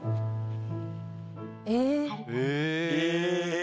え。